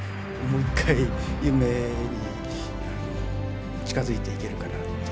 もう一回夢に近づいていけるかなっていう。